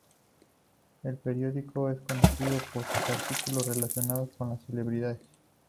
El periódico es conocido por sus artículos relacionados con las celebridades.